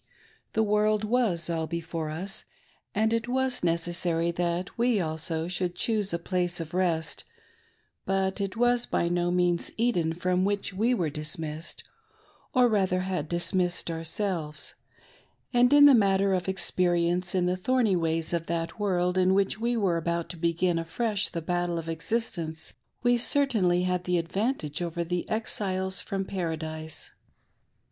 The world was all before us, and it was necessary that we also THE CRISIS Ot OtJR LIVES. 599 should choose a place of rest; but it was by no means an Eden from which we were dismissed,— or, rather, had dis missed ourselves, — and in the matter of experience in the thorny ways of that world in which we were about to begin affesh the battle of existence, we certainly had the advantage over the exiles from Paradise.